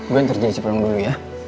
gue antar jessy pulang dulu ya